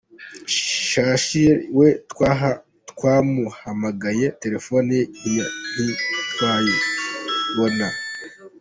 Shassir we twamuhamagaye telefoni ye ntitwayibona.